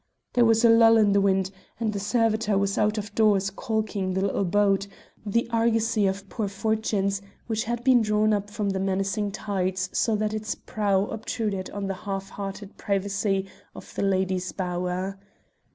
There was a lull in the wind, and the servitor was out of doors caulking the little boat, the argosy of poor fortunes, which had been drawn up from the menacing tides so that its prow obtruded on the half hearted privacy of the lady's bower.